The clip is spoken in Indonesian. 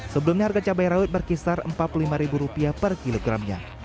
sebelumnya harga cabai rawit berkisar rp empat puluh lima per kilogramnya